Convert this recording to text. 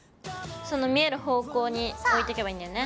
その見える方向においてけばいいんだよね。